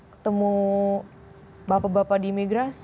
ketemu bapak bapak di imigrasi